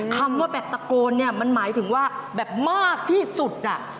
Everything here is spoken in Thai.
คำว่าแบบตะโกนเนี่ยมันหมายถึงว่าแบบมากที่สุด